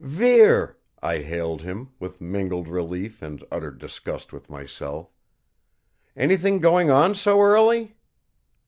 "Vere!" I hailed him, with mingled relief and utter disgust with myself. "Anything going on so early?"